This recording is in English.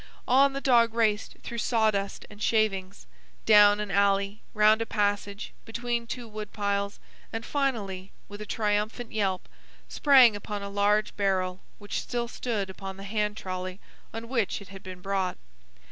On the dog raced through sawdust and shavings, down an alley, round a passage, between two wood piles, and finally, with a triumphant yelp, sprang upon a large barrel which still stood upon the hand trolley on which it had been brought.